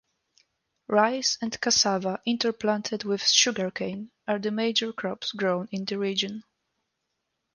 Rice and cassava interplanted with Sugarcane are the major crops grown in the region.